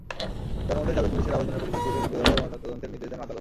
জনমতের চাপে পুলিশের আবেদনের পরিপ্রেক্ষিতে দ্বিতীয় দফা ময়নাতদন্তের নির্দেশ দেন আদালত।